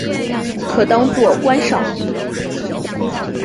可当作观赏鱼。